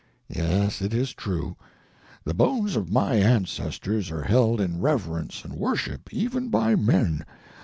"Yes, it is true. The bones of my ancestors are held in reverence and worship, even by men.